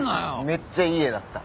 めっちゃいい絵だった。